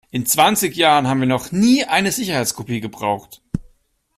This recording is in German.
In zwanzig Jahren haben wir noch nie eine Sicherheitskopie gebraucht.